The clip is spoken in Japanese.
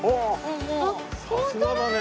あっさすがだね。